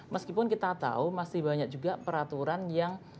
meskipun kita tahu masih banyak juga peraturan yang